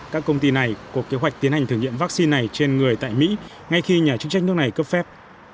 các công ty này có kế hoạch tiến hành thử nghiệm vaccine này trên người tại mỹ ngay khi nhà chức trách nước này cấp phép